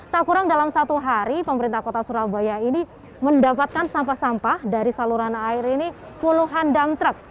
tak kurang dalam satu hari pemerintah kota surabaya ini mendapatkan sampah sampah dari saluran air ini puluhan dam truck